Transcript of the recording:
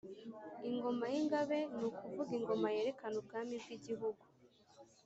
ingoma y’ingabe ni ukuvuga ingoma yerekana ubwami bw’igihugu.